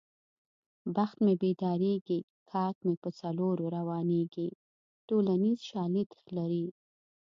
بخت مې پیدارېږي کاک مې په څلور روانېږي ټولنیز شالید لري